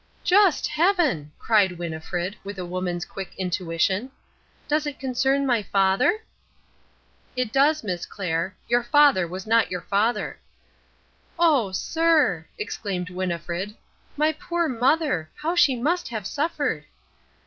"Just Heaven!" cried Winnifred, with a woman's quick intuition. "Does it concern my father?" "It does, Miss Clair. Your father was not your father." "Oh, sir," exclaimed Winnifred. "My poor mother! How she must have suffered!"